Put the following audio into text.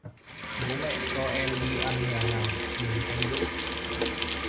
bố mẹ cho em đi ăn nhà hàng mừng em đỗ